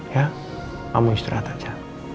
ya kamu istirahat aja